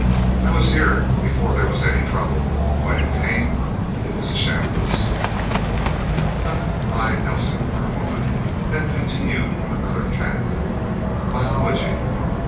I was here before there was any trouble. When it came, it was a shambles..." Huth eyed Nelsen for a moment, then continued on another tack. "Biology...